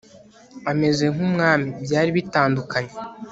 ameze nk Umwami byari bitandukanye